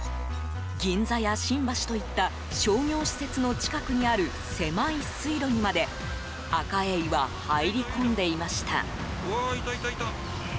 銀座や新橋といった商業施設の近くにある狭い水路にまでアカエイは入り込んでいました。